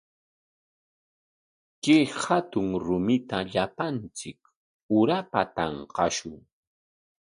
Kay hatun rumita llapanchik urapa tanqashun.